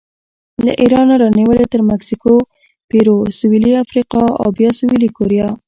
له ایرانه رانیولې تر مکسیکو، پیرو، سویلي افریقا او بیا سویلي کوریا